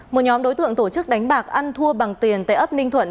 một nhóm đối tượng tổ chức đánh bạc ăn thua bằng tiền tại ấp ninh thuận